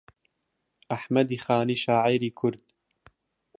ئەحمەدی خانی شاعیری کورد